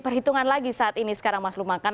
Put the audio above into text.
perhitungan lagi saat ini sekarang mas lukman